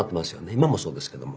今もそうですけども。